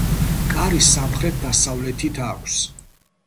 კარი სამხრეთ-დასავლეთით აქვს.